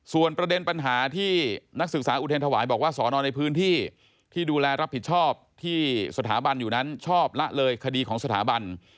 ส่วนประเด็นปัญหาที่นักศึกษาอุเทรนถวายบอกว่าสอนอในพื้นที่ที่ดูแลรับผิดชอบที่สถาบันอยู่นั้นชอบละเลยคดีของสถาบัน